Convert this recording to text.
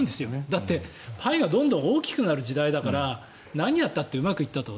だって、パイはどんどん大きくなる時代だから何をやったってうまくいったと。